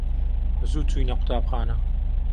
زوو چووینە قوتابخانە.